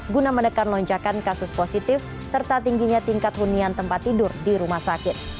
guna menekan lonjakan kasus positif serta tingginya tingkat hunian tempat tidur di rumah sakit